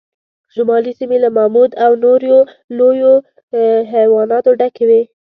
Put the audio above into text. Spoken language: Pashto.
شمالي سیمې له ماموت او نورو لویو حیواناتو ډکې وې.